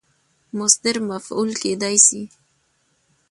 مصدر مفعول کېدای سي.